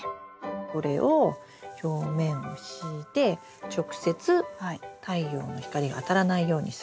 これを表面を敷いて直接太陽の光があたらないようにする。